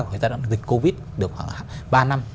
của giai đoạn dịch covid được khoảng ba năm